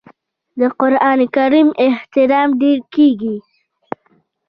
د قران کریم احترام ډیر کیږي.